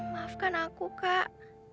maafkan aku kak